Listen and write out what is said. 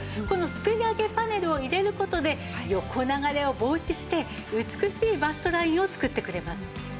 このすくい上げパネルを入れる事で横流れを防止して美しいバストラインを作ってくれます。